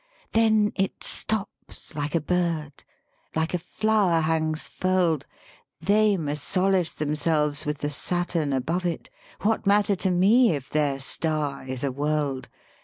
Then it stops like a bird ; like a flower, hangs furled : They must solace themselves with the Saturn above it. What matter to me if their star is a world?